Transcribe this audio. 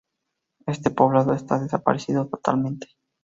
Este poblado está desaparecido totalmente.